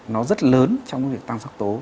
nó rất lớn trong việc tăng sốc tố